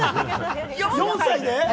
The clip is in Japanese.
４歳で！？